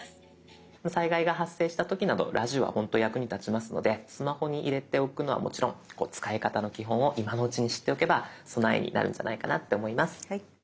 災害が発生した時などラジオはほんと役に立ちますのでスマホに入れておくのはもちろん使い方の基本を今のうちに知っておけば備えになるんじゃないかなって思います。